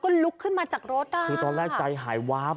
ก็ลุกขึ้นมาจากรถตอนแรกจ่ายหายว้าง